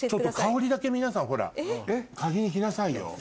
香りだけ皆さんほら嗅ぎにきなさいよ。